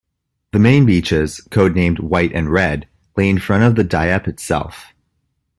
The main beaches, codenamed White and Red, lay in front of Dieppe itself.